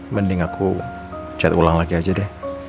mending aku cat ulang lagi aja deh